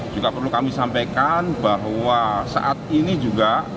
juga perlu kami sampaikan bahwa saat ini juga